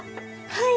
はい！